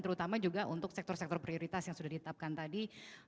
terutama juga untuk sektor sektor prioritas yang sudah ditetapkan tadi